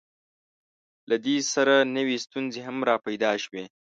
له دې سره نوې ستونزې هم راپیدا شوې.